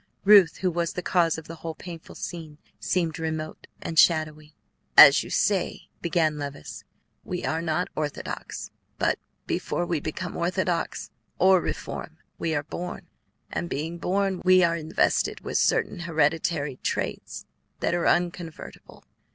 Ruth, who was the cause of the whole painful scene, seemed remote and shadowy. "As you say," began Levice, "we are not orthodox; but before we become orthodox or reform, we are born, and being born, we are invested with certain hereditary traits that are unconvertible.